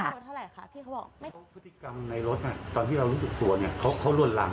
พฤติกรรมในรถตอนที่เรารู้สึกตัว